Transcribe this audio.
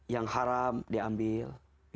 yang haram diambil